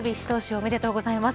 おめでとうございます。